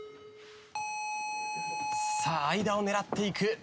間を狙っていく。